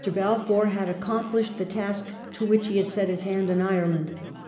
Balfour had accomplished the task to which he had set his hand in Ireland.